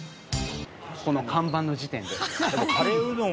この看板の時点で。